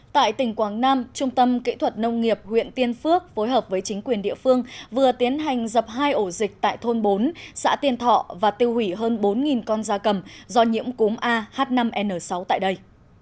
tại tỉnh quảng nam trung tâm kỹ thuật nông nghiệp huyện tiên phước phối hợp với chính quyền địa phương vừa tiến hành dập hai ổ dịch tại thôn bốn xã tiên thọ và tiêu hủy hơn bốn con da cầm do nhiễm cúm ah năm n sáu tại đây